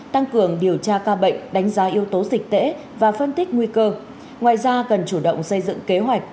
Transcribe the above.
tăng cường điều tra ca bệnh đánh giá yếu tố dịch tễ và phân tích nguy cơ ngoài ra cần chủ động xây dựng kế hoạch